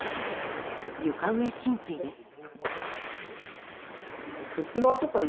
床上浸水です。